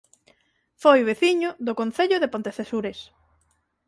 Foi veciño do Concello de Pontecesures